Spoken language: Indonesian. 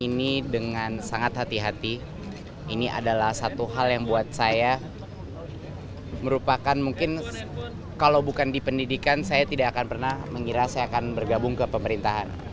ini dengan sangat hati hati ini adalah satu hal yang buat saya merupakan mungkin kalau bukan di pendidikan saya tidak akan pernah mengira saya akan bergabung ke pemerintahan